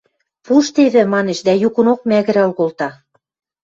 Пуштевӹ... – манеш дӓ юкынок мӓгӹрӓл колта.